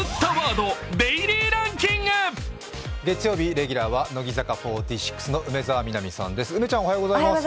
月曜日、レギュラーは乃木坂４６の梅澤美波さんです。